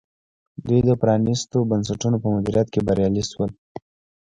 دوی د پرانیستو بنسټونو په مدیریت کې بریالي شول.